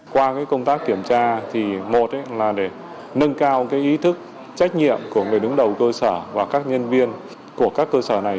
qua công tác kiểm tra thì một là để nâng cao ý thức trách nhiệm của người đứng đầu cơ sở và các nhân viên của các cơ sở này